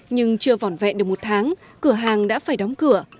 nhưng chưa vỏn vẹn được một tháng cửa hàng đã phải đóng cửa